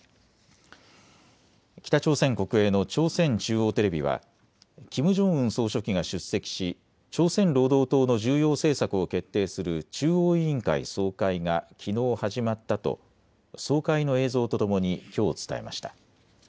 北朝鮮国営の朝鮮中央テレビはキム・ジョンウン総書記が出席し朝鮮労働党の重要政策を決定する中央委員会総会がきのう始まったと総会の映像とともにきょう伝えました。